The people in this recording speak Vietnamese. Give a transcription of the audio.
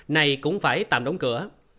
này cũng phải tạm đóng cửa